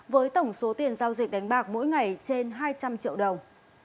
với tổng số tiền giao dịch đánh bạc mỗi ngày trên hai trăm linh triệu đồng